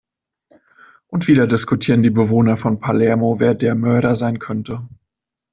Und wieder diskutieren die Bewohner von Palermo, wer der Mörder sein könnte.